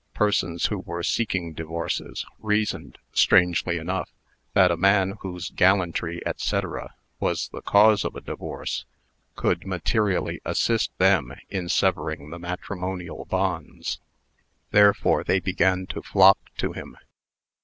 Persons who were seeking divorces, reasoned, strangely enough, that a man whose "gallantry, &c.," was the cause of a divorce, could materially assist them in severing the matrimonial bonds. Therefore they began to flock to him.